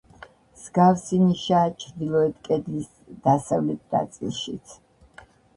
მსგავსი ნიშაა ჩრდილოთ კედლის დასავლეთ ნაწილშიც.